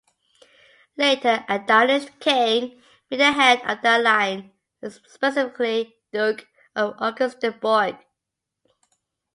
Later, a Danish king made the head of that line specifically Duke of Augustenborg.